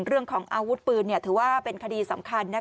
เรื่องของอาวุธปืนถือว่าเป็นคดีสำคัญ